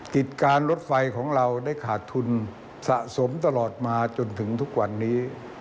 กิจการรถไฟของเราได้ขาดทุนสะสมตลอดมาจนถึงทุกวันนี้